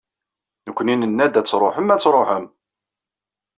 Nekkni, nenna-d ad tṛuḥem, ad tṛuḥem.